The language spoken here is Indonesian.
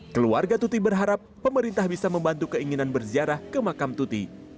keluarga tuti berharap pemerintah bisa membantu keinginan berziarah ke makam tuti